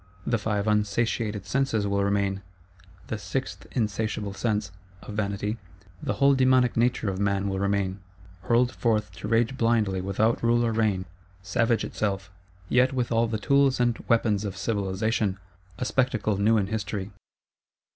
The five unsatiated Senses will remain, the sixth insatiable Sense (of vanity); the whole dæmonic nature of man will remain,—hurled forth to rage blindly without rule or rein; savage itself, yet with all the tools and weapons of civilisation; a spectacle new in History.